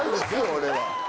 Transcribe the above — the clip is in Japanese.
俺は。